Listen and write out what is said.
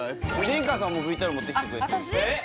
梨花さんもＶＴＲ持ってきてくれてあっ私？